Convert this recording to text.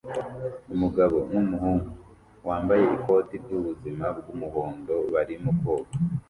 Umugabo numuhungu wambaye ikoti ryubuzima bwumuhondo barimo koga